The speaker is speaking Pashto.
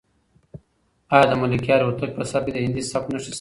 آیا د ملکیار هوتک په سبک کې د هندي سبک نښې شته؟